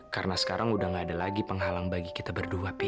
karena sekarang udah gak ada lagi penghalang bagi kita berdua pi